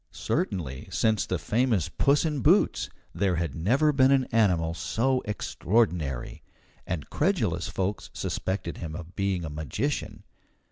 Certainly, since the famous "Puss in Boots," there had never been an animal so extraordinary; and credulous folks suspected him of being a magician.